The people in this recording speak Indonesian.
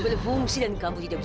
ini masalah dewi